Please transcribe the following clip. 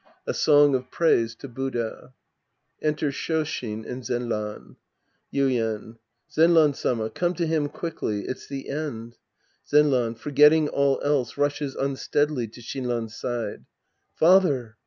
A song of praise to Buddha. {Enter ShOshin and Zenran.) Yuien. Zenran Sama. Come to him quickly. It's the end. Zenran {forgetting all else, rushes unsteadily to Shinran's side). Father